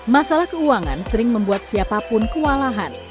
masalah keuangan sering membuat siapapun kewalahan